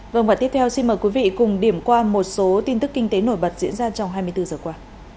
vâng và tiếp theo xin mời quý vị cùng điểm qua một số tin tức kinh tế nổi bật diễn ra trong hai mươi bốn giờ qua